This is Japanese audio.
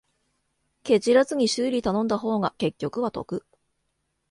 ケチらずに修理頼んだ方が結局は得